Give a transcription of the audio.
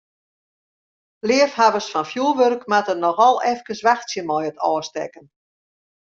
Leafhawwers fan fjurwurk moatte noch al efkes wachtsje mei it ôfstekken.